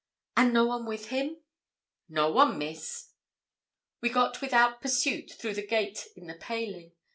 'And no one with him?' 'No one, Miss.' We got without pursuit through the gate in the paling.